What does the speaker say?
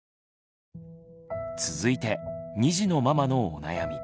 続いて２児のママのお悩み。